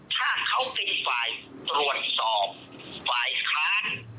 ถ้าเขาเป็นฝ่ายตรวจสอบฝ่ายค้าน